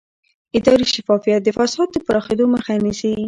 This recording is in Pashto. اداري شفافیت د فساد د پراخېدو مخه نیسي